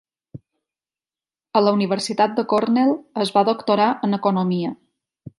A la Universitat de Cornell es va doctorar en economia.